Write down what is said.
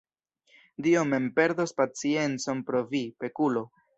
Dio mem perdos paciencon pro vi, pekulo!